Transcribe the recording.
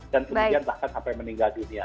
dan kemudian bahkan sampai meninggal dunia